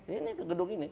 ini gedung ini